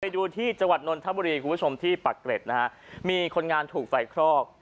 ดูที่จังหวัดนนทบุรีคุณผู้ชมที่ปักเกร็ดนะฮะมีคนงานถูกไฟคลอก